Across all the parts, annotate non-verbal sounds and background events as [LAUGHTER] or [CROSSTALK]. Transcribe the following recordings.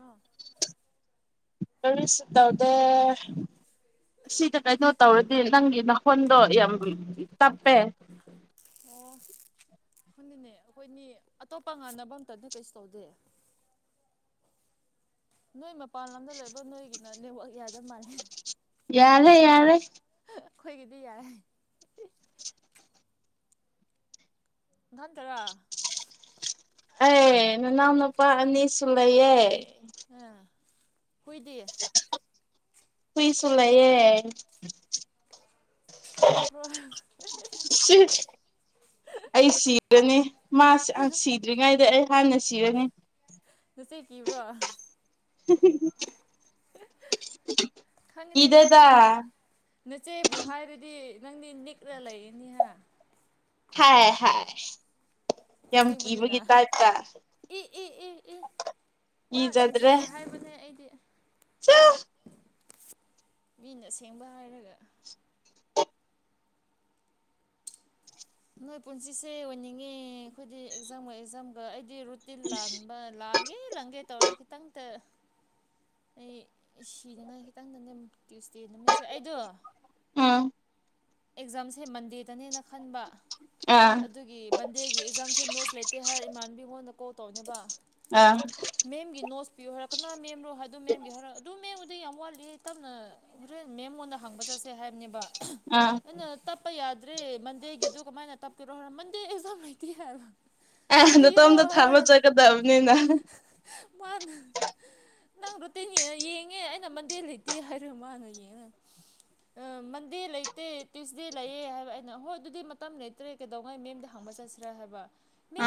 ꯑꯣ ꯀꯔꯤꯁꯨ ꯇꯧꯗꯦ ꯫ ꯁꯤꯗ ꯀꯩꯅꯣ ꯇꯧꯔꯗꯤ ꯅꯪꯒꯤ ꯅꯟꯈꫭꯟꯗꯣ ꯌꯥꯝ ꯇꯥꯞꯄꯦ꯫ ꯑꯣ ꯍꯣꯏꯅꯤꯅꯦ ꯑꯩꯈꯣꯏꯅꯤ ꯑꯇꯣꯞꯄ ꯉꯥꯟꯅꯕ ꯑꯝꯇꯗ ꯀꯩꯁꯨ ꯇꯧꯗꯦ꯫ ꯅꯣꯏ ꯃꯄꯥꯟ ꯂꯝꯗ ꯂꯩꯕ ꯅꯣꯏꯒꯤꯅ ꯅꯦꯠꯋꯥꯛ ꯌꯥꯗ ꯃꯥꯜꯂꯦ ꯫ ꯌꯥꯔꯦ ꯌꯥꯔꯦ꯫ ꯑꯩꯈꯣꯏꯒꯤꯗꯤ ꯌꯥꯏ꯫ ꯅꯊꯥꯟꯇꯔꯥ ꯑꯩ ꯅꯅꯥꯎ ꯅꯨꯄꯥ ꯑꯅꯤꯁꯨ ꯂꯩꯌꯦ꯫ ꯑꯥ ꯍꯨꯏꯗꯤ ꯍꯨꯏꯁꯨ ꯂꯩꯌꯦ ꯍꯥꯠꯇꯣꯛꯈ꯭ꯔꯣ ꯁꯤ ꯑꯩ ꯁꯤꯔꯅꯤ ꯃꯥ ꯑ ꯁꯤꯗ꯭ꯔꯤꯉꯩꯗ ꯑꯩ ꯍꯥꯟꯅ ꯁꯤꯔꯅꯤ [UNINTELLIGIBLE] ꯈꯪꯉꯤꯅꯦ ꯀꯤꯗꯦꯗ ꯈꯪꯉꯤꯅꯦ ꯅꯆꯦꯕꯨ ꯍꯥꯏꯔꯗꯤ ꯅꯪꯗꯤ ꯅꯤꯛꯔ ꯂꯩꯔꯅꯤ ꯍꯥ ꯍꯥꯏ ꯍꯥꯏ ꯌꯥꯝ ꯑꯁꯦꯡꯕꯅꯤꯅ ꯀꯤꯕꯒꯤ ꯇꯥꯏꯞꯇ ꯏ ꯏ ꯏ ꯏ ꯋꯥ ꯁꯦꯡꯁꯦꯡꯅ ꯍꯥꯏꯕꯅꯦ ꯑꯩꯗꯤ ꯆꯥꯥ ꯃꯤꯅ ꯑꯁꯦꯡꯕ ꯍꯥꯏꯔꯒ ꯅꯣꯏ ꯄꯨꯟꯁꯤꯁꯦ ꯑꯣꯏꯅꯤꯡꯉꯦ ꯑꯩꯈꯣꯏꯗꯤ ꯑꯦꯛꯖꯥꯝꯒ ꯑꯦꯛꯖꯥꯝꯒ ꯑꯩꯗꯤ ꯔꯨꯠ ꯇꯤꯟ ꯂꯥꯜꯕ ꯂꯥꯏ ꯏ ꯂꯪꯒꯦ ꯇꯧꯔ ꯈꯤꯇꯪꯇ ꯑꯩ ꯁꯤꯅꯤꯉꯥꯏ ꯈꯤꯇꯪꯗꯅꯦ ꯇ꯭ꯌꯨꯁꯗꯦ ꯅꯨꯃꯤꯠꯁꯦ ꯑꯩꯗꯣ ꯑꯥ ꯑꯦꯛꯖꯥꯝꯁꯦ ꯃꯟꯗꯦꯗꯅꯦꯅ ꯈꯟꯕ ꯑꯥ ꯑꯗꯨꯒꯤ ꯃꯟꯗꯦꯒꯤ ꯑꯦꯛꯖꯥꯝꯁꯦ ꯅꯣꯠꯁ ꯂꯩꯇꯦ ꯍꯥꯏꯔ ꯏꯃꯥꯟꯕꯤ ꯉꯣꯟꯗ ꯀꯣꯜ ꯇꯧꯕꯅꯦꯕ ꯑꯥ ꯃꯦꯝꯒꯤ ꯅꯣꯠꯁ ꯄꯤꯌꯨ ꯍꯥꯏꯔꯛ ꯀꯅꯣ ꯃꯦꯝꯔꯣ ꯍꯥꯏꯗꯣ ꯃꯦꯝꯒꯤ ꯍꯥꯏꯔꯛ ꯑꯗꯨ ꯃꯦꯝꯒꯤꯗꯤ ꯌꯥꯝ ꯋꯥꯠꯂꯤꯌꯦ ꯇꯞꯅ ꯍꯣꯔꯦꯟ ꯃꯦꯝꯉꯣꯟꯗ ꯍꯪꯕ ꯆꯠꯁꯦ ꯍꯥꯏꯕꯅꯦꯕ ꯑ ꯑꯩꯅ ꯇꯞꯄ ꯌꯥꯗ꯭ꯔꯦ ꯃꯟꯗꯦꯒꯤꯗꯨ ꯀꯃꯥꯏꯅ ꯇꯞꯀꯦꯔꯣ ꯍꯥꯏꯔ ꯃꯟꯗꯦ ꯑꯦꯛꯖꯥꯝ ꯂꯩꯇꯦ ꯍꯥꯏꯕ ꯑ ꯀꯔꯤꯔꯣ ꯅꯇꯣꯝꯇ ꯊꯥꯕ ꯍꯥꯏꯔꯒ ꯆꯠꯀꯗꯕꯅꯤꯅ ꯃꯥꯅ ꯅꯪ ꯔꯨꯇꯤꯟ ꯌꯦꯡ ꯌꯦꯡꯉꯦ ꯑꯩꯅ ꯃꯟꯗꯦ ꯂꯩꯇꯦ ꯍꯥꯏꯔ ꯃꯥꯅ ꯌꯦꯡꯉꯒ ꯑ ꯃꯟꯗꯦ ꯂꯩ ꯇꯦ ꯇ꯭ꯌꯨꯁꯗꯦ ꯂꯩꯌꯦ ꯍꯥꯏꯕ ꯑꯩꯅ ꯍꯣꯏ ꯑꯗꯨꯗꯤ ꯃꯇꯝ ꯂꯩꯇ꯭ꯔꯦ ꯀꯩꯗꯧꯉꯩ ꯃꯦꯝꯗ ꯍꯪꯕ ꯆꯠꯁꯤꯔꯥ ꯍꯥꯏꯕ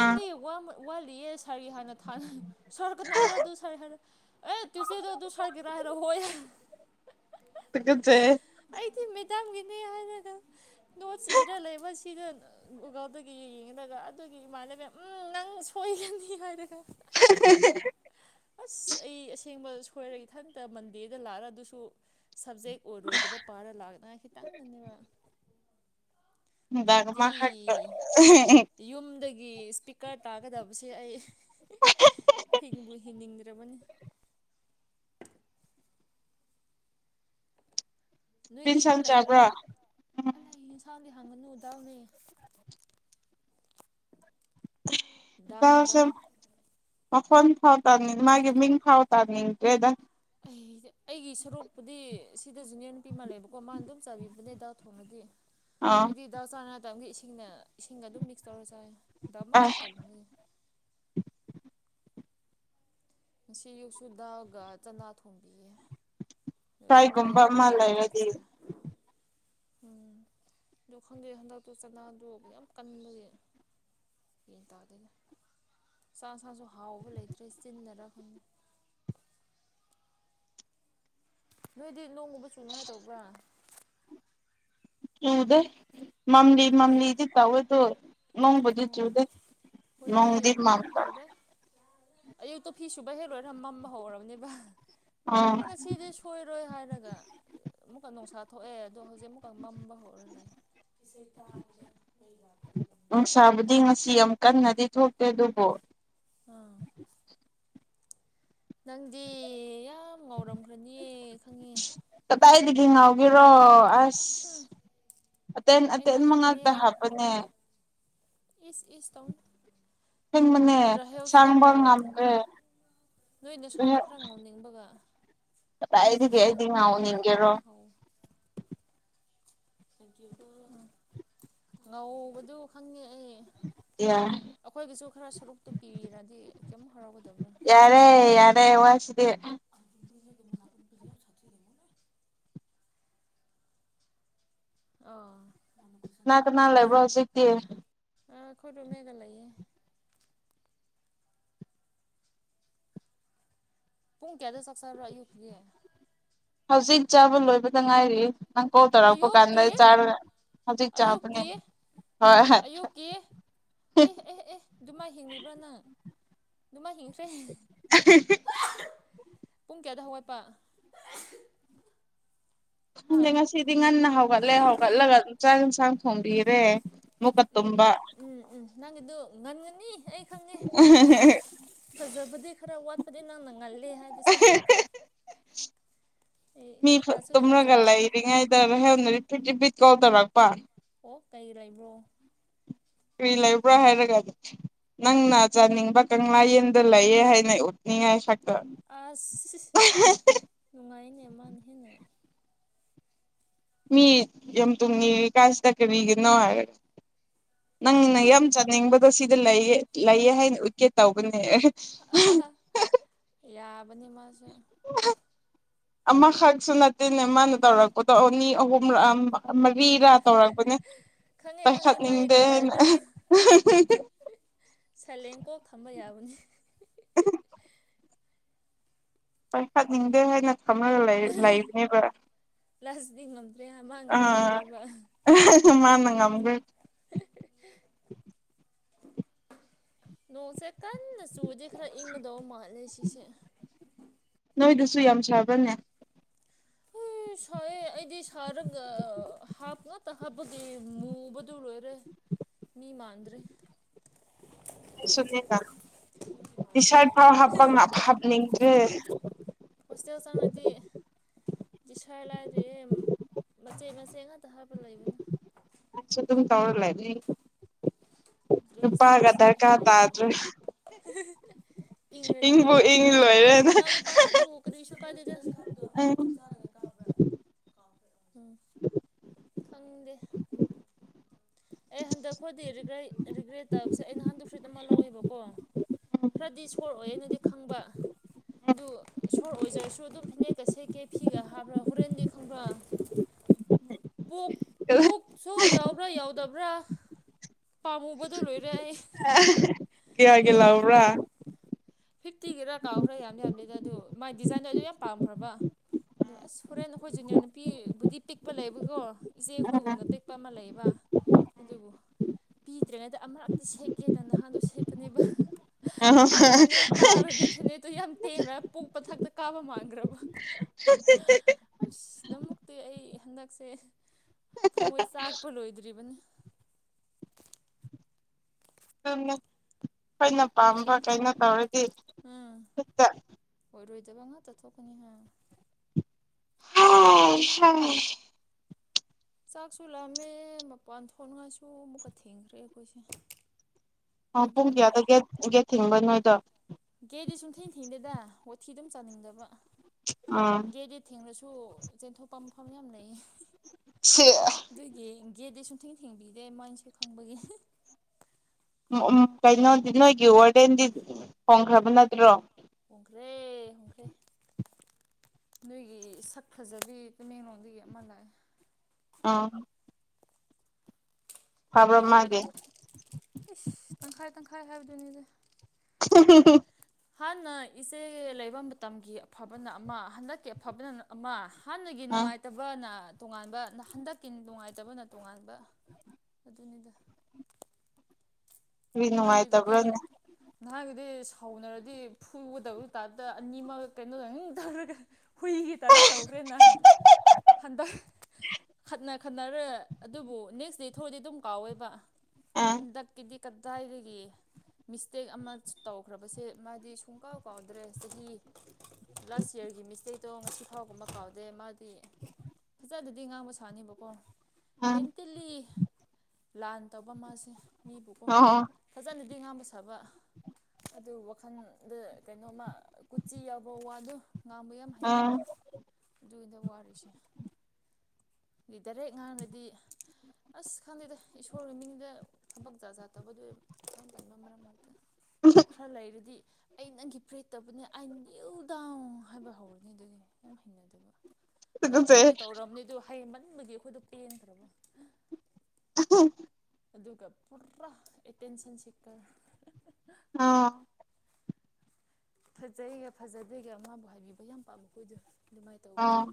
ꯑꯥ ꯋꯥꯠ ꯋꯥꯠꯂꯤꯌꯦ ꯁꯥꯔꯒꯤ ꯍꯥꯟꯅ ꯊꯥꯅ ꯁꯥꯔ ꯀꯅꯥꯔ ꯑꯗꯨ ꯁꯥꯔ ꯍꯥꯏꯔ ꯑꯦ ꯇꯨꯁꯗꯦꯗꯣ ꯑꯗꯨ ꯁꯥꯔꯒꯤꯔꯥ ꯍꯥꯏꯔ ꯍꯣꯏ ꯇꯨꯀꯠꯆꯩꯍꯦ ꯑꯩꯗꯤ ꯃꯦꯗꯥꯝꯒꯤꯅꯦ ꯍꯥꯏꯔꯒ ꯅꯣꯠꯁ ꯏꯔ ꯂꯩꯕ ꯁꯤꯗꯨ ꯗꯨꯒ ꯑꯗꯨꯒꯤ ꯌꯦꯡꯉꯒ ꯑꯗꯨꯒꯤ ꯏꯃꯥꯟꯅꯕꯤꯅ ꯎꯝ ꯅꯪ ꯁꯣꯏꯒꯅꯤ ꯍꯥꯏꯔꯒ [UNINTELLIGIBLE] ꯑꯁ ꯑꯩ ꯑꯁꯦꯡꯕ ꯁꯣꯏꯔꯒ ꯏꯊꯟꯇ ꯃꯟꯗꯦꯗ ꯂꯥꯛꯑꯒ ꯑꯗꯨꯁꯨ ꯁꯕꯖꯦꯛ ꯑꯣꯏꯔꯣꯏꯗꯕ ꯄꯥꯔ ꯂꯥꯛꯅꯤꯡꯉꯥꯏ ꯈꯤꯇꯪꯗꯅꯤꯕ ꯗꯥꯛ ꯑꯃ ꯑꯗꯨꯗꯗꯤ ꯍꯥꯞꯈ꯭ꯔꯣ ꯌꯨꯝꯗꯒꯤ ꯏꯁꯄꯤꯀꯔ ꯇꯥꯒꯗꯕꯁꯦ ꯑꯩ ꯍꯤꯡꯕꯨ ꯍꯤꯡꯅꯤꯡꯗ꯭ꯔꯕꯅꯤ ꯅꯣꯏꯗꯤ ꯑꯗꯨꯝ ꯏꯟꯁꯥꯡ ꯂꯩꯒꯦꯔꯥ ꯆꯥꯕ꯭ꯔꯥ ꯂꯩ ꯌꯦꯟꯁꯥꯡꯗꯤ ꯍꯡꯒꯅꯨ ꯗꯥꯜꯅꯦ ꯗꯥꯜ [UNINTELLIGIBLE] ꯗꯥꯜ ꯃꯈꯣꯟ ꯊꯣꯛꯇꯝꯃꯦ ꯃꯥꯒꯤ ꯃꯤꯡ ꯐꯥꯎ ꯇꯥꯅꯤꯡꯇ꯭ꯔꯦꯗ ꯑꯩꯗꯤ ꯑꯩꯒꯤ ꯁꯔꯨꯛꯄꯨꯗꯤ ꯁꯤꯗꯁꯨꯅꯦ ꯅꯨꯄꯤ ꯑꯃ ꯂꯩꯌꯦꯕꯀꯣ ꯃꯥꯅ ꯑꯗꯨꯝ ꯆꯥꯕꯤꯕꯅꯦ ꯗꯥꯜ ꯊꯣꯡꯉꯗꯤ ꯑꯥ ꯑꯩꯗꯤ ꯗꯥꯜ ꯆꯥꯅꯤꯡꯗꯕꯒꯤ ꯏꯁꯤꯡꯅ ꯏꯁꯤꯡꯒ ꯑꯗꯨꯝ ꯃꯤꯛꯁ ꯇꯧꯔ ꯆꯥꯏ ꯑꯥꯏ ꯗꯥꯜꯃꯛꯇꯤ ꯇꯟꯕꯒꯤ ꯉꯁꯤ ꯑꯌꯨꯛꯁꯨ ꯗꯥꯜꯒ ꯆꯥꯅꯥ ꯊꯣꯡꯕꯤꯌꯦ ꯆꯅꯥ ꯐ꯭ꯔꯥꯏꯒꯨꯝꯕ ꯑꯃ ꯌꯥꯎꯕꯒꯤ ꯈꯔ ꯂꯩꯔꯗꯤ ꯆꯥꯏ ꯎꯝ ꯑꯗꯣ ꯈꯪꯗꯦ ꯍꯟꯗꯛꯇꯨ ꯆꯅꯥꯗꯣ ꯌꯥꯝ ꯀꯟꯕꯒꯤ ꯒꯌꯥꯟ ꯇꯥꯗꯦꯗ ꯆꯥꯛ ꯏꯟꯁꯥꯡꯁꯨ ꯍꯥꯎꯕ ꯂꯩꯇ꯭ꯔꯦ ꯆꯤꯟꯅꯔ ꯈꯪꯗꯦ ꯅꯣꯏꯗꯤ ꯅꯣꯡꯒꯨꯝꯕ ꯆꯨꯅꯤꯉꯥꯏ ꯇꯧꯕ꯭ꯔꯥ ꯆꯨꯗꯦ ꯃꯝꯂꯤ ꯃꯝꯂꯤꯗꯤ ꯇꯧꯌꯦ ꯗꯨ ꯅꯣꯡꯕꯨꯗꯤ ꯑꯣ ꯆꯨꯗꯦ ꯅꯣꯡꯗꯤ ꯃꯪꯕ ꯇꯧꯗꯦ ꯑꯌꯨꯛꯇꯣ ꯐꯤ ꯁꯨꯕ ꯍꯦꯛ ꯂꯣꯏꯔ ꯃꯝꯕ ꯍꯧꯔꯕꯅꯦꯕ ꯑꯥ ꯎꯝ ꯉꯁꯤꯗꯤ ꯁꯨ ꯁꫭꯏꯔꯣꯏ ꯍꯥꯏꯔꯒ ꯑꯃꯨꯛꯀ ꯅꯨꯡꯁꯥ ꯊꯣꯛꯑꯦ ꯑꯗꯣ ꯍꯧꯖꯤꯛ ꯑꯃꯨꯛꯀ ꯃꯝꯕ ꯍꯧꯔ ꯂꯩ [UNINTELLIGIBLE] ꯅꯨꯡꯁꯥꯕꯨꯗꯤ ꯉꯁꯤ ꯌꯥꯝ ꯀꯟꯅꯗꯤ ꯊꯣꯛꯇꯦ ꯑꯗꯨꯕꯨ ꯎꯝ ꯅꯪꯗꯤ ꯌꯥꯝ ꯉꯥꯎꯔꯝꯈ꯭ꯔꯅꯤꯌꯦ ꯈꯪꯉꯦ ꯀꯗꯥꯏꯗꯒꯤ ꯉꯧ ꯌꯔꯣ [UNINTELLIGIBLE] ꯑꯁ ꯑꯇꯦꯟ ꯑꯩ ꯑꯇꯦꯟ ꯅꯪ ꯉꯥꯛꯇꯅꯦ ꯃꯉꯇ ꯍꯥꯞꯄꯅꯦ ꯏꯁ ꯏꯁ ꯇꯧꯟ ꯑꯁꯦꯡꯕꯅꯦ ꯔꯍꯌꯁꯨ ꯌꯥꯝ ꯁꯥꯡꯕ ꯋꯥꯎꯔꯝꯃꯅꯤ ꯉꯝꯗ꯭ꯔꯦ ꯅꯣꯏ ꯅꯁꯥꯅ ꯈꯔ ꯉꯧꯅꯤꯡꯕꯒ ꯀꯗꯥꯏꯗꯒꯤ ꯑꯩꯗꯤ ꯉꯧꯅꯤꯡꯒꯦꯔꯣ ꯎꯝ ꯉꯧꯕꯗꯨ ꯈꯪꯉꯦ ꯑꯩ ꯌꯥ ꯑꯩꯈꯣꯏꯒꯤꯁꯨ ꯈꯔ ꯁꯔꯨꯛꯇꯨ ꯄꯤꯔꯗꯤ ꯀꯩꯝ ꯍꯔꯥꯎꯒꯗꯕ꯭ꯔꯥ ꯌꯥꯔꯦ ꯌꯥꯔꯦ ꯋꯥꯏ ꯁꯤꯗꯦ ꯑ ꯄꯖꯗ ꯄꯕꯤꯅ ꯁꯥꯇꯤꯔꯤꯗꯕꯣꯅꯦ [UNINTELLIGIBLE] ꯑꯥ ꯀꯅꯥ ꯀꯅꯥ ꯂꯩꯥꯏꯕ꯭ꯔꯣ ꯍꯧꯖꯤꯛꯇꯤ ꯑ ꯑꯈꯣꯏ ꯃꯦꯒꯥ [UNINTELLIGIBLE] ꯂꯩꯌꯦ ꯄꯨꯡ ꯀꯌꯥꯗ ꯆꯥꯛꯆꯕ꯭ꯔꯥ ꯑꯌꯨꯛꯀꯤꯗꯤ ꯍꯧꯖꯤꯛ ꯆꯥꯕ ꯂꯣꯏꯕꯗ ꯉꯥꯏꯔꯤꯌ‌ꯦ ꯅꯪ ꯀꯣꯜ ꯊꯧꯔꯛ ꯀꯥꯟꯗꯥ ꯑꯌꯨꯛꯀꯤ ꯆꯥꯔꯒꯥ ꯍꯧꯖꯤꯛ ꯆꯥꯕꯅꯤ ꯑꯌꯨꯛꯀꯤ ꯍꯣꯏ ꯑꯌꯨꯛꯀꯤ ꯍꯣꯏ ꯑꯦ ꯑꯦ ꯑꯦ ꯑꯗꯨꯃꯥꯏ ꯍꯤꯡꯔꯤꯕ꯭ꯔꯥ ꯅꯪ ꯑꯗꯨꯃꯥꯏ ꯍꯤꯡꯈ꯭ꯔꯦ ꯄꯨꯡ ꯀꯌꯥꯗ ꯍꯧꯒꯠꯄ ꯍꯥ ꯈꯪꯗꯦ ꯉꯁꯤꯗꯤ ꯉꯟꯅꯥ ꯍꯧꯒꯠꯂꯦ ꯍꯧꯒꯠꯂꯒ ꯆꯥꯛ ꯌꯟꯁꯥꯡ ꯊꯣꯡꯕꯤꯔꯦ ꯑꯃꯨꯛꯀ ꯎꯝ ꯇꯨꯝꯕ ꯎꯝ ꯎꯝ ꯅꯪꯒꯤꯗꯨ ꯉꯟꯒꯅꯤ ꯑꯩ ꯈꯪꯉꯦ ꯐꯖꯕꯗꯤ ꯈꯔ ꯋꯥꯠꯄꯗꯤ ꯅꯪꯅ ꯉꯜꯂꯤꯦ ꯍꯥꯏ ꯑꯩ ꯃꯤ ꯊꯥꯁꯨ ꯇꯨꯝꯂꯒ ꯊꯥꯖꯅꯤꯡꯗꯦ ꯂꯩꯔꯤꯉꯩ ꯍ ꯔꯤꯄꯤꯠ [UNINTELLIGIBLE] ꯔꯤꯄꯤꯠ ꯀꯣꯜ ꯇꯧꯔꯛꯄ ꯑꯣ ꯀꯩ ꯂꯩꯕ꯭ꯔꯣ ꯀꯔꯤ ꯂꯩꯕ꯭ꯔꯥ ꯍꯥꯏꯔꯒ ꯑꯗꯨ [UNINTELLIGIBLE] ꯅꯪꯅ ꯆꯥꯅꯤꯡꯕ ꯀꯪꯂꯥꯌꯦꯟꯗ ꯂꯩꯌꯦ ꯍꯥꯏꯅ ꯎꯠꯅꯤꯡꯉꯥꯏ ꯁꯛꯇ ꯑꯁ ꯅꯨꯡꯉꯥꯏꯅꯦ ꯃꯅꯍꯦꯟꯅ ꯃꯤ ꯌꯥꯝ ꯇꯨꯝꯉ [UNINTELLIGIBLE] ꯀꯥꯁꯤꯗ ꯀꯔꯤꯒꯤꯅꯣ ꯍꯥꯏꯔ ꯅꯪꯅ ꯌꯥꯝ ꯆ ꯅꯤꯡꯕꯗꯣ ꯁꯤꯗ ꯂꯩꯌꯦ ꯂꯩꯌꯦ ꯍꯥꯏꯅ ꯎꯠꯀꯦ ꯇꯧꯕꯅꯦ ꯌꯥꯕꯅꯤ ꯃꯥꯁꯨ ꯑꯃꯈꯛꯁꯨ ꯅꯠꯇꯦꯅꯦ ꯃꯥꯅ ꯇꯧꯔꯛꯄꯗꯣ ꯑꯅꯤ ꯑꯍꯨꯝꯔꯛꯑ [UNINTELLIGIBLE] ꯃꯔꯤꯔꯥ ꯇꯧꯔꯛꯄꯅꯦ ꯈꯪꯉꯦ ꯈꯪꯉꯦ ꯄꯥꯏꯈꯠꯅꯤꯡꯗꯦ ꯍꯥꯏꯅ ꯁꯂꯦꯡ ꯀꯣꯛ ꯊꯝꯕ ꯌꯥꯕꯅꯤ [UNINTELLIGIBLE] ꯍꯣꯏ ꯍꯥꯠꯅꯤꯡꯗꯦ ꯍꯥꯏꯅ ꯈꯝꯃꯒ ꯂꯩ ꯂꯩꯔꯤꯅꯦꯕ ꯄ꯭ꯂꯥꯁꯗꯤ ꯉꯝꯗ꯭ꯔꯦ ꯑꯃ ꯑꯥ ꯉꯝꯍꯧꯈ꯭ꯔꯦꯕ ꯃꯥꯅ ꯉꯝꯒ꯭ꯔꯦ [UNINTELLIGIBLE] ꯅꯣꯡꯁꯦ ꯀꯟꯅ ꯆꯨꯗꯤ ꯈꯔ ꯏꯪꯒꯗꯧ ꯃꯥꯜꯂꯦ ꯁꯤꯁꯦ ꯅꯣꯏꯗꯨꯁꯨ ꯌꯥꯝ ꯁꯥꯕꯅꯦ ꯁꯥꯏꯑꯦ ꯑꯩꯗꯤ ꯁꯥꯔꯒ ꯍꯥꯞ ꯉꯥꯛꯇ ꯍꯥꯞꯄꯒꯤ ꯃꯨꯕꯗꯨ ꯂꯣꯏꯔꯦ ꯃꯤ ꯃꯥꯥꯟꯗ꯭ꯔꯦ ꯁꯨꯝꯅꯤꯅ ꯇꯤ ꯁꯥꯔꯠ ꯐꯥꯎ ꯍꯥꯞꯄ ꯍꯥꯞꯅꯤꯡꯗ꯭ꯔꯦ ꯍꯣꯁꯇꯦꯜ ꯆꯪꯅꯗꯤ ꯗꯤꯁ꯭ꯋꯥꯏ ꯂꯥꯏꯗꯤꯌꯦ ꯃꯆꯦꯠ ꯃꯆꯦꯠ ꯉꯥꯛꯇ ꯍꯥꯞꯄ ꯂꯩꯕꯅ [UNINTELLIGIBLE] ꯑꯗꯨꯝ ꯇꯧꯔ ꯂꯩꯅꯤ ꯗ꯭ꯔꯦꯁ ꯀꯁꯦ ꯗꯔꯀꯥꯔ ꯌꯦꯟꯗꯔ ꯇꯥꯗ꯭ꯔꯦ ꯏꯪꯒꯔꯗꯤ ꯏꯪꯕꯨ ꯌꯥꯔꯦ ꯏꯪ ꯂꯣꯏꯔꯦꯅ ꯏꯟꯅꯥꯎꯅꯨꯄꯥꯉꯛꯇꯕꯨ ꯀꯔꯤꯁꯨ ꯀꯥꯏꯗꯦꯗ ꯎꯝ ꯈꯪꯗꯦ ꯑꯩ ꯍꯟꯗꯛ ꯈꯣꯗꯤ ꯔꯤꯒ꯭ꯔꯩ ꯔꯤꯒ꯭ꯔꯦꯠ ꯇꯕꯁꯦ ꯑꯩꯅ ꯍꯟꯗꯛ ꯐ꯭ꯔꯤꯠ ꯑꯃ ꯂꯧꯋꯦꯕꯀꯣ ꯈꯔꯗꯤ ꯁꯣꯔ ꯑꯣꯏꯌꯦꯅꯗꯤ ꯈꯪꯕ ꯑꯗꯨ ꯁꯣꯔ ꯑꯣꯏꯖꯔꯁꯨ ꯑꯗꯨꯝ ꯐꯅꯦꯛꯀ ꯁꯦꯠꯀꯦ ꯐꯤꯒ ꯍꯥꯕ꯭ꯔꯥ ꯍꯣꯔꯦꯟꯒꯤ ꯈꯪꯕ꯭ꯔꯥ ꯄꯨꯛ ꯄꯨꯛꯁꯨ ꯌꯧ ꯕ꯭ꯔꯥ ꯌꯥꯎꯗꯕ꯭ꯔꯥ ꯄꯥꯝꯃꯨꯕꯗꯨ ꯂꯣꯏꯔꯦ ꯑꯩ ꯀꯌꯥꯒꯤ ꯂꯥꯎꯕ꯭ꯔꯥ ꯐꯤꯐꯇꯤꯒꯤꯔꯥ ꯀꯥꯎꯈ꯭ꯔꯥ ꯌꯥꯝꯗꯤ ꯌꯥꯝꯗꯦꯗ ꯑꯗꯨ ꯃꯥꯏ ꯗꯤꯖꯥꯏꯟꯗꯣ ꯑꯗꯨ ꯌꯥꯝ ꯄꯥꯝꯈ꯭ꯔꯕ ꯑꯗꯨ ꯑꯁ ꯍꯣꯔꯦꯟ ꯑꯈꯣꯏ ꯖꯨꯅꯤꯌꯔ ꯅꯨꯄꯤꯕꯨꯗꯤ ꯄꯤꯛꯄ ꯂꯩꯕꯀꯣ ꯑꯥ ꯏꯆꯦꯈꯣꯏꯒꯨꯝꯅ ꯄꯤꯛꯄ ꯑꯃ ꯂꯩꯌꯦꯕ ꯑꯗꯨꯕꯨ ꯄꯤꯗ꯭ꯔꯤꯉꯩꯗ ꯑꯃꯔꯛꯇꯤ ꯁꯦꯠꯀꯦꯗꯅ ꯅꯍꯥꯟꯗꯣ ꯁꯦꯠꯄꯅꯦꯕ [UNINTELLIGIBLE] ꯅꯦꯛ ꯀꯥꯔꯗꯤ ꯐꯅꯦꯛꯇꯨ ꯌꯥꯝ ꯇꯦꯡꯔ ꯄꯨꯛꯄꯊꯛꯇ ꯀꯥꯕ ꯃꯥꯟꯒ꯭ꯔꯕ [UNINTELLIGIBLE] ꯑꯁ ꯅꯃꯨꯛꯇꯤ ꯑꯩ ꯍꯟꯗꯛꯁꯦ ꯊꯃꯣꯏ ꯆꯥꯛꯄ ꯂꯣꯏꯗ꯭ꯔꯤꯕꯅꯤ [UNINTELLIGIBLE] ꯑꯈꯣꯏꯅ ꯄꯥꯝꯕ ꯀꯩꯅꯣ ꯇꯧꯔꯤ ꯑ ꯑꯣꯏꯔꯣꯏꯗꯕ ꯉꯥꯛꯇ ꯊꯣꯛꯀꯅꯤ ꯍꯥꯏ [UNINTELLIGIBLE] ꯆꯥꯛꯁꯨ ꯂꯥꯝꯃꯦ ꯃꯄꯥꯟ ꯊꯣꯡꯅꯉꯥꯏꯁꯨ ꯑꯃꯨꯛꯀ ꯊꯦꯡꯈ꯭ꯔꯦ ꯑꯈꯣꯏꯁꯦ ꯑ ꯄꯨꯡ ꯀꯌꯥꯗ ꯒꯦꯠ ꯒꯦꯠ ꯊꯤꯡꯕ ꯅꯣꯏꯗꯣ ꯒꯦꯗꯤ ꯁꯨꯝꯊꯤ ꯊꯦꯡꯗꯦꯗ ꯋꯥꯊꯤꯗꯨꯝ ꯆꯥꯅꯤꯡꯗꯕ ꯑ ꯒꯦꯗꯤ ꯊꯤꯡꯔꯁꯨ ꯆꯦꯟꯊꯣꯛꯄꯝ ꯃꯐꯝ ꯌꯥꯝ ꯂꯩꯌꯦ ꯁꯤ ꯑꯗꯨꯒꯤ ꯒꯦꯗꯤ ꯁꯨꯡ ꯊꯤꯡ ꯊꯤꯡꯕꯤꯗꯦ ꯃꯥꯏꯁꯦ ꯈꯪꯕꯒꯤ ꯀꯩꯅꯣꯗꯤ ꯅꯣꯏꯒꯤ ꯋꯥꯔꯗꯦꯟꯗꯤ ꯐꯣꯡꯈ꯭ꯔꯕ ꯅꯠꯇ꯭ꯔꯣ ꯍꯣꯡꯈ꯭ꯔꯦ ꯍꯣꯡꯈ꯭ꯔꯦ ꯅꯣꯏꯒꯤ ꯁꯛ ꯐꯖꯕꯤ ꯇꯃꯦꯡꯂꯣꯡꯗꯒꯤ ꯑꯃ ꯂꯥꯛꯑꯦ ꯑꯥ ꯐꯕ꯭ꯔ ꯃꯥꯒꯦ ꯏꯁ ꯇꯪꯈꯥꯏ ꯇꯪꯈꯥꯏ ꯍꯥꯏꯕꯗꯨꯅꯤꯗꯤ [UNINTELLIGIBLE] ꯍꯥꯟꯅ ꯏꯆꯦ ꯂꯩꯕ ꯃꯇꯝꯒꯤ ꯑꯐꯕꯅ ꯑꯃ ꯍꯟꯗꯛꯀꯤ ꯑꯐꯕꯅ ꯑꯃ ꯍꯥꯟꯅꯒꯤ ꯑꯥ ꯅꯨꯡꯉꯥꯏꯇꯕꯅ ꯇꯣꯉꯥꯟꯕ ꯍꯟꯗꯛꯀꯤ ꯅꯨꯡꯉꯥꯏꯇꯕꯅ ꯇꯣꯉꯥꯟꯕ ꯑꯗꯨꯅꯤꯗ ꯀꯔꯤ ꯅꯍꯥꯟꯒꯤꯗꯨꯗꯤ ꯅꯨꯡꯉꯥꯏꯇꯕ꯭ꯔꯥꯅꯦ ꯅꯍꯥꯟꯒꯤꯗꯤ ꯁꯥꯎꯅꯔꯗꯤ ꯐꯨꯒꯗꯕꯗꯨ ꯇꯥꯇ ꯑꯅꯤꯃꯛ ꯀꯩꯅꯣꯗ ꯇꯧꯔꯒ ꯍꯨꯏꯒꯤ ꯇꯗ ꯇꯧꯈ꯭ꯔꯦꯅ ꯍꯟꯗꯛ ꯈꯠꯅ ꯈꯠꯅꯔꯦ ꯑꯗꯨꯕꯨ ꯅꯦꯛꯁ ꯗꯦ ꯊꯣꯛꯑꯥꯗꯤ ꯑꯗꯨꯝ ꯀꯥꯎꯋꯦꯕ ꯑꯥ ꯍꯟꯗꯛꯀꯤꯗꯤ ꯀꯗꯥꯏꯗꯒꯦ ꯃꯤꯁꯇꯦꯛ ꯑꯃ ꯇꯧꯈ꯭ꯔꯕꯁꯦ ꯃꯥꯗꯤ ꯁꯨꯡꯀꯥꯎ ꯀꯥꯎꯗ꯭ꯔꯦ ꯆꯍꯤ ꯂꯥꯁ ꯌꯌꯥꯔꯒꯤ ꯃꯤꯁꯇꯦꯛꯇꯣ ꯉꯁꯤ ꯐꯥꯎꯒꯨꯝꯕ ꯀꯥꯎꯗꯦ ꯃꯥꯗꯤ ꯐꯖꯗꯗꯤ ꯉꯥꯡꯕ ꯁꯥꯅꯤꯕꯀꯣ ꯑꯥ ꯃꯦꯟꯇꯦꯜꯂꯤ ꯂꯥꯟ ꯇꯧꯕ ꯃꯥꯁꯦ ꯃꯤꯕꯨ ꯑꯣ ꯐꯖꯅꯗꯤ ꯉꯥꯕ ꯁꯥꯕ ꯑꯗꯨ ꯋꯥꯈꯜꯗ ꯀꯩꯅꯣꯃ ꯀꯨꯆꯤ ꯌꯥꯎꯕ ꯋꯥꯗꯣ ꯉꯥꯡꯕ ꯌꯥꯝ ꯍꯩꯕ ꯑꯥ ꯑꯗꯨꯏꯗ ꯋꯥꯔꯤꯁꯦ ꯒꯤ ꯗꯥꯏꯔꯦꯛ ꯉꯥꯡꯉꯥꯗꯤ ꯑꯁ ꯈꯪꯗꯦꯗ ꯏꯁꯣꯔꯒꯤ ꯃꯤꯡꯗ ꯊꯕꯛ ꯆꯥꯖꯥ ꯇꯧꯕꯗꯣ ꯏꯆꯥꯡ ꯇꯟꯕ ꯃꯔꯛ ꯃꯔꯛꯇ ꯈꯔ ꯂꯩꯔꯗꯤ ꯑꯩ ꯅꯪꯒꯤ ꯐꯔꯦꯠꯇꯕꯅꯦ ꯑꯥꯏ ꯌꯌꯨ ꯗꯥꯎ ꯍꯥꯏꯕ ꯍꯧꯔꯅꯤ ꯑꯗꯨꯗꯤ ꯌꯥꯝ ꯍꯩꯅꯗꯕ ꯍꯣꯏ ꯇꯨꯀꯠꯆꯩꯍꯦ ꯇꯧꯗꯤ ꯇꯧꯔꯕꯅꯤ ꯑ ꯑꯗꯨ ꯍꯌꯦꯡꯃꯟꯕꯗꯤ ꯑꯩꯈꯣꯏꯗꯣ ꯄꯦꯟꯗ꯭ꯔꯕ [UNINTELLIGIBLE] ꯑꯗꯨꯒ ꯄꯨꯔꯥ ꯑꯦꯇꯦꯟꯁꯟꯁꯤ ꯑ ꯐꯖꯩꯒ ꯐꯖꯗꯦꯒ ꯃꯥꯕꯨ ꯍꯥꯏꯕꯤꯕ ꯌꯥꯝ ꯄꯥꯝꯕ ꯑꯩꯈꯣꯏꯗꯣ ꯑꯗꯨꯃꯥꯏꯅ ꯇꯧꯕ ꯑꯥ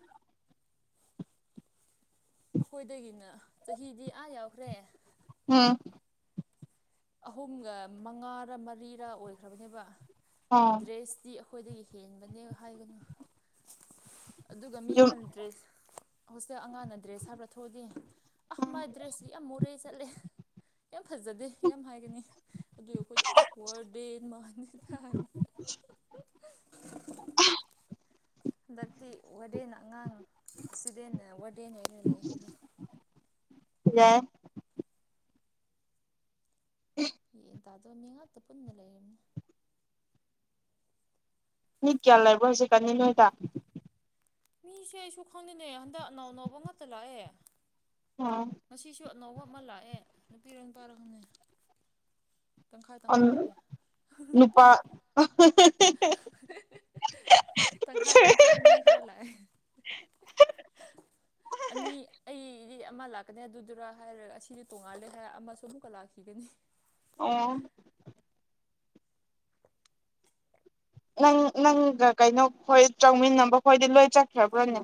ꯑꯩꯈꯣꯏꯗꯒꯤꯅ ꯆꯍꯤꯗꯤ ꯑꯥ ꯌꯥꯎꯈ꯭ꯔꯦ ꯎꯝ ꯑꯍꯨꯝꯒ ꯃꯉꯥꯔ ꯃꯔꯤꯔ ꯑꯣꯏꯈ꯭ꯔꯕꯅꯦꯕ ꯑꯥ ꯗ꯭ꯔꯦꯁꯇꯤ ꯑꯩꯈꯣꯏꯗꯒꯤ ꯍꯦꯟꯕꯅꯦ ꯍꯥꯏꯒꯅꯨ ꯑꯗꯨꯒ ꯃꯤ ꯌꯨꯝ ꯃꯜꯗ꯭ꯔꯦꯁ ꯍꯣꯁꯇꯦꯜ ꯑꯉꯥꯡꯅ ꯗ꯭ꯔꯦꯁ ꯍꯥꯏꯕ꯭ꯔꯥ ꯊꯣꯛꯑꯗꯤ ꯑꯍ ꯃꯥꯥꯏ ꯗ꯭ꯔꯦꯁꯁꯤ ꯌꯥꯝ ꯃꯨꯔꯛꯁ ꯆꯠꯂꯦ ꯌꯥꯝ ꯐꯖꯗꯦ ꯌꯥꯝ ꯍꯥꯏꯒꯅꯤ ꯑꯗꯨ ꯑꯩꯈꯣꯏꯗꯤ ꯑꯁꯔꯗꯦ ꯃꯥꯉꯦ ꯇꯥꯏꯅ [INAUDIBLE] ꯍꯟꯗꯛꯇꯤ ꯋꯥꯔꯗꯦꯟ ꯑꯉꯥꯡ ꯏꯁꯇꯨꯗꯦꯟꯅ ꯋꯥꯔꯗꯦꯟ ꯑꯣꯏꯔꯣꯏ ꯂꯩ ꯑꯩꯈꯣꯏꯁꯦ ꯌꯥꯏ [INAUDIBLE] ꯇ ꯑꯗꯨ ꯃꯤ ꯉꯛꯇ ꯄꯨꯟꯅ ꯂꯩ ꯃꯤ ꯀꯌꯥ ꯂꯩꯕꯑꯣ ꯍꯧꯖꯤꯛꯅꯤ ꯅꯣꯏꯗ ꯃꯤꯁꯦ ꯑꯩꯁꯨ ꯈꯪꯗꯅꯦ ꯍꯟꯗꯛ ꯅꯅꯥꯎ ꯅꯧꯕ ꯉꯥꯛꯇ ꯂꯥꯛꯑꯦ ꯑꯣ ꯉꯁꯤꯁꯨ ꯑꯅꯧꯕ ꯑꯃ ꯂꯥꯛꯑꯦ ꯅꯨꯄꯤꯔ ꯄꯥꯔꯈꯪꯉꯦ ꯇꯪꯈꯥꯏ ꯑꯟ ꯇꯪꯈꯥꯏ ꯂꯥꯛꯑꯦ ꯅꯨꯄꯥ ꯇꯪꯈꯥꯏ ꯇꯪꯈꯥꯏ ꯃꯤ ꯈꯔ ꯂꯥꯛꯑꯦ ꯑꯅꯤ ꯑꯩꯗꯤ ꯑꯃ ꯂꯥꯛ ꯑꯗꯨꯗꯨꯔ ꯍꯥꯏꯔꯒ ꯑꯗꯨꯗꯨꯔꯥ ꯍꯥꯏꯔ ꯑꯁꯤꯗꯤ ꯇꯣꯉꯥꯜꯂꯦ ꯍꯥꯏꯔ ꯑꯃꯁꯨ ꯑꯃꯨꯛꯀ ꯂꯥꯛꯈꯤꯒꯅꯤ ꯑꯌꯥ ꯅꯪ ꯅꯪꯒ ꯀꯩꯅꯣꯈꯣꯏ ꯆꯧꯃꯤꯟꯅꯕꯈꯣꯏꯗꯤ ꯂꯣꯏ ꯆꯠꯈ꯭ꯔꯕ꯭ꯔꯅꯦ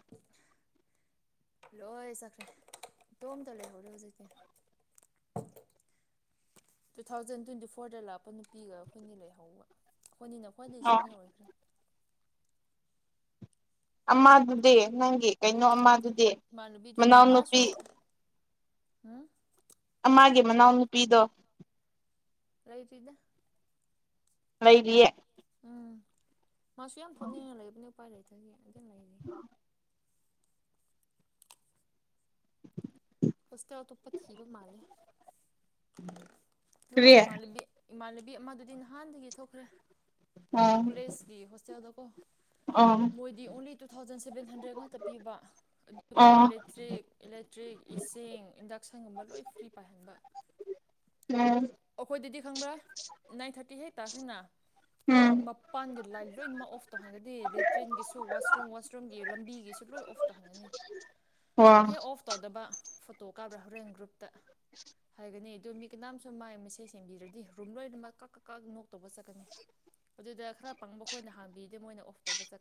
ꯂꯣꯏ ꯆꯈ꯭ꯔꯦ ꯏꯇꯣꯝꯇ ꯂꯩꯍꯧꯔꯦ ꯍꯧꯖꯤꯛꯀꯤ ꯇꯨ ꯊꯥꯎꯖꯟ ꯇ꯭ꯋꯦꯟꯇꯤ ꯐꯣꯔꯗ ꯂꯥꯛꯄ ꯅꯨꯄꯤꯒ ꯑꯩꯈꯣꯏꯅꯤ ꯂꯩꯍꯧꯕ ꯑꯩꯈꯣꯏꯅꯤꯅ ꯈ꯭ꯋꯥꯏꯗꯩ ꯑꯣ ꯁꯦꯅꯤꯌꯔ ꯑꯣꯏꯈ꯭ꯔꯦ ꯑꯃꯗꯨꯗꯤ ꯅꯪꯒꯤ ꯀꯩꯅꯣ ꯑꯃꯗꯨꯗꯤ ꯏꯃꯥꯟꯅꯕꯤꯗꯨꯗꯤ ꯃꯥꯁꯨ ꯃꯅꯥꯎꯅꯨꯄꯤ ꯎꯝ ꯑꯃꯥꯒꯤ ꯃꯅꯥꯎꯅꯨꯄꯤꯗꯣ ꯂꯩꯇꯔꯤꯗꯥ ꯂꯩꯔꯤꯌꯦ ꯎꯝ ꯃꯥꯁꯨ ꯌꯥꯝ ꯊꯣꯛꯅꯤꯡꯅ ꯂꯩꯕꯅꯤ ꯎꯄꯥꯏ ꯂꯩꯇꯒꯤ ꯑꯗꯨ ꯂꯩꯔꯤ ꯍꯣꯁꯇꯦꯜ ꯑꯇꯣꯞꯄ ꯊꯤꯕ ꯃꯥꯜꯂꯦ ꯑꯗꯨꯒ ꯀꯔꯤ ꯑꯣ ꯏꯃꯥꯟꯅꯕꯤ ꯏꯃꯥꯟꯅꯕꯤ ꯑꯃꯗꯨꯗꯤ ꯅꯍꯥꯟꯗꯒꯤ ꯊꯣꯛꯈ꯭ꯔꯦ ꯀꯣꯂꯦꯁꯀꯤ ꯍꯣꯁꯇꯦꯜꯗ ꯀꯣ ꯑꯣ ꯃꯣꯏꯗꯤ ꯑꯣꯡꯂꯤ ꯇꯨ ꯊꯥꯎꯖꯟ ꯁꯚꯦꯟ ꯍꯟꯗ꯭ꯔꯦꯗ ꯉꯥꯛꯇ ꯄꯤꯕ ꯑꯗꯨꯒ ꯑꯣ ꯏꯂꯦꯛꯇ꯭ꯔꯤꯛ ꯏꯂꯦꯛꯇ꯭ꯔꯤꯛ ꯏꯁꯤꯡ ꯏꯟꯗꯛꯁꯟꯒꯨꯝꯕ ꯂꯣꯏ ꯐ꯭ꯔꯤ ꯄꯥꯏꯍꯟꯕ ꯎꯝ ꯑꯩꯈꯣꯏꯗꯗꯤ ꯈꯪꯕ꯭ꯔꯥ ꯅꯥꯏꯟ ꯊꯥꯔꯇꯤ ꯍꯦꯛ ꯇꯥꯈ꯭ꯔꯦꯅ ꯎꯝ ꯃꯄꯥꯟꯒꯤ ꯂꯥꯏꯟ ꯂꯣꯏꯅꯃꯛ ꯑꯣꯐ ꯇꯧ ꯍꯥꯏꯔꯒꯗꯤ ꯂꯦꯇ꯭ꯔꯤꯟꯒꯤꯁꯨ ꯋꯥꯁꯔꯨꯝ ꯋꯥꯁꯔꯨꯝꯒꯤ ꯂꯝꯕꯤꯒꯤꯁꯨ ꯂꯣꯏ ꯑꯣꯐ ꯇꯥꯍꯟꯒꯅꯤ ꯋꯥ ꯍꯦꯛ ꯑꯣꯐ ꯇꯧꯗꯕ ꯐꯣꯇꯣ ꯀꯥꯕ꯭ꯔꯥ ꯍꯣꯔꯦꯟ ꯒ꯭ꯔꯨꯞꯇ ꯍꯥꯏꯒꯅꯤ ꯑꯗꯨ ꯃꯤ ꯀꯤꯅꯥꯝꯁꯨ ꯃꯥꯏ ꯃꯦꯁꯦꯖ ꯌꯦꯡꯕꯤꯗꯔꯗꯤ ꯔꯨꯝ ꯂꯣꯏꯅꯃꯛ ꯀꯛ ꯀꯛ ꯀꯛ ꯅꯣꯛ ꯇꯧꯕ ꯆꯠꯀꯅꯤ ꯑꯗꯨꯗ ꯈꯔ ꯄꯪꯕ ꯑꯩꯈꯣꯏꯅ ꯍꯥꯡꯕꯤꯗ ꯃꯣꯏꯅ ꯑꯦꯐ ꯇꯧꯕ ꯆꯠ